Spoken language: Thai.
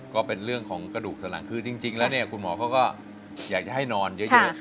ก็เป็นเรื่องของกระดูกสลังคือจริงแล้วเนี่ยคุณหมอเขาก็อยากจะให้นอนเยอะ